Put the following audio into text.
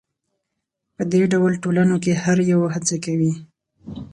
په دې ډول ټولنو کې هر یو هڅه کوي